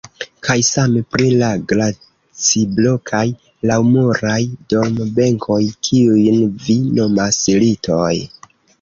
Kaj same pri la glaciblokaj laŭmuraj dormbenkoj, kiujn vi nomas litoj.